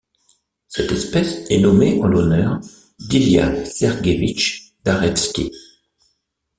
Cette espèce est nommée en l'honneur d'Ilya Sergeevich Darevsky.